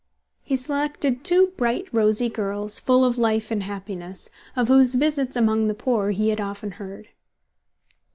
He selected two bright, rosy girls, full of life and happiness, of whose visits among the poor he had often heard.